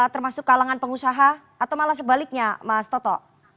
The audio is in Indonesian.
termasuk kalangan pengusaha atau malah sebaliknya mas toto